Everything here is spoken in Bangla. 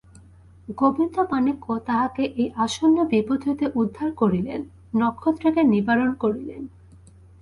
গোবিন্দমাণিক্য তাহাকে এই আসন্ন বিপদ হইতে উদ্ধার করিলেন, নক্ষত্রকে নিবারণ করিলেন।